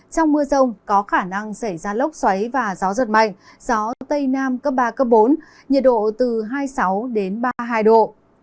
trong mưa rông có khả năng xảy ra lốc xoáy và gió giật mạnh gió tây nam cấp ba cấp bốn nhiệt độ từ hai mươi sáu đến ba mươi hai độ